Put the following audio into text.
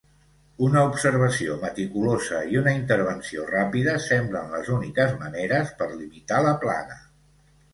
Una observació meticulosa i una intervenció ràpida semblen les úniques maneres per limitar la plaga.